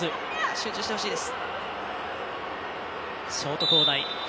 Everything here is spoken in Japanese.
集中してほしいです。